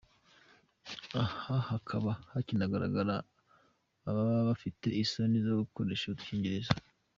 Aha hakaba hakinagaragara ababa bafite isoni zo gukoresha udukingirizo.